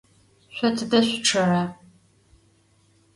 Şso tıde şsuççera?